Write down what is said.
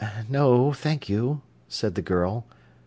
"No, thank you," said the girl.